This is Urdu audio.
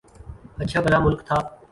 اچھا بھلا ملک تھا۔